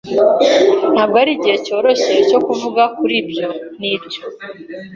Ntabwo ari igihe cyoroshye cyo kuvuga kuri ibyo, nibyo?